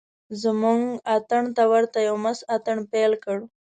زموږ اتڼ ته ورته یو مست اتڼ پیل کړ.